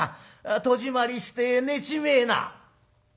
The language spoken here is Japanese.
戸締まりして寝ちめえな」。